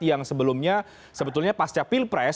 yang sebelumnya sebetulnya pasca pilpres